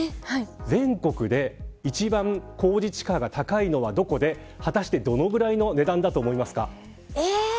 全国で一番公示地価が高いのはどこで果たして、どのぐらいの値段だと思いますか。